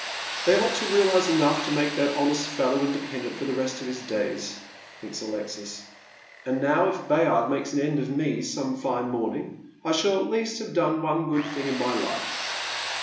" They ought to realise enough to make that honest fellow independent for the rest of his days," thinks Alexis ; "and now if Bayard makes an end of me some fine morning, I shall at least have done one good thing in my life."